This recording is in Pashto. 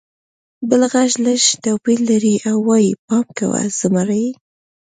بل غږ لږ توپیر لري او وایي: «پام کوه! زمری!»